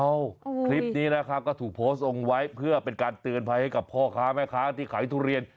คลิปนี้นะครับก็ถูกโพสต์เอาไว้เพื่อเป็นการเตือนภัยให้กับพ่อค้าแม่ค้าที่ขายทุเรียน